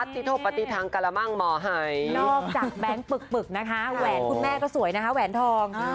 โทษปฏิทังกะละมั่งหมอหายนอกจากแบงค์ปึกนะคะแหวนคุณแม่ก็สวยนะคะแหวนทอง